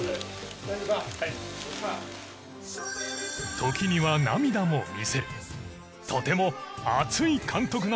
時には涙も見せるとても熱い監督なんです。